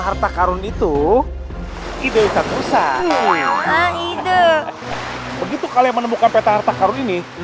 harta karun itu ide ustadz begitu kalian menemukan peta harta karun ini